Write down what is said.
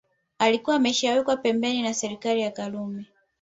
alikuwa ameshawekwa pembeni na serikali ya karume